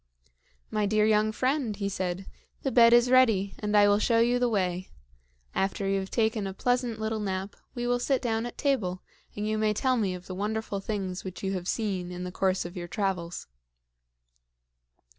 "My dear young friend," he said, "the bed is ready, and I will show you the way. After you have taken a pleasant little nap, we will sit down at table, and you may tell me of the wonderful things which you have seen in the course of your travels."